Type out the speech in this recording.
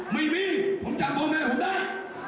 ไม่มีผมจับพ่อแม่ผมได้